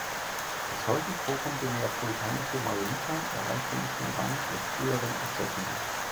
Diese häufig vorkommende neapolitanische Majolika erreichte nicht den Rang der früheren Erzeugnisse.